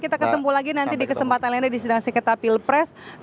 kita ketemu lagi nanti di kesempatan lainnya di sidang sekitar pilpres